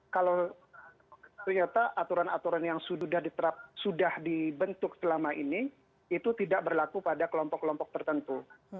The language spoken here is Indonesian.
kalau ternyata aturan aturan yang sudah dibentuk selama ini itu tidak berlaku pada kelompok kelompok tertentu